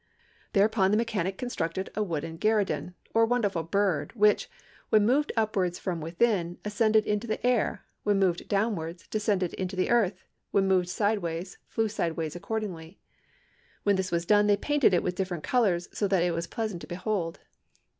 Thereupon the mechanic constructed a wooden gerudin, or wonderful bird, which, when moved upwards from within, ascended into the air; when moved downwards, descended into the earth; when moved sideways, flew sideways accordingly. When this was done, they painted it with different colours, so that it was pleasant to behold.